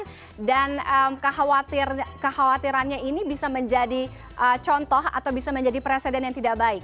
jadi apa yang bisa dikatakan dalam kekhawatirannya ini bisa menjadi contoh atau bisa menjadi presiden yang tidak baik